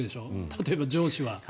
例えば、上司は。